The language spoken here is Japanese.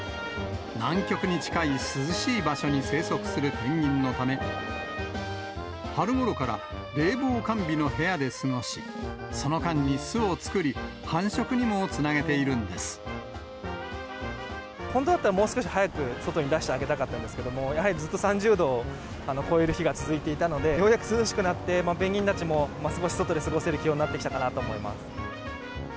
南極に近い涼しい場所に生息するペンギンのため、春ごろから冷房完備の部屋で過ごし、その間に巣を作り、繁殖にも本当だったら、もう少し早く外に出してあげたかったんですけど、やはりずっと３０度を超える日が続いていたので、ようやく涼しくなって、ペンギンたちも少し外で過ごせる気温になってきたかなと思います。